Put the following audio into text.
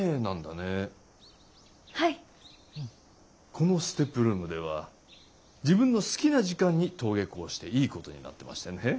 このＳＴＥＰルームでは自分の好きな時間に登下校していいことになってましてね。